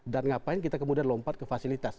dan ngapain kita kemudian lompat ke fasilitas